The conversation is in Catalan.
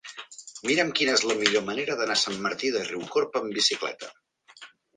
Mira'm quina és la millor manera d'anar a Sant Martí de Riucorb amb bicicleta.